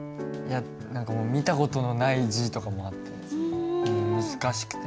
何かもう見た事のない字とかもあってもう難しくて。